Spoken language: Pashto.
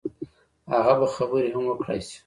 هغه به خبرې هم وکړای شي.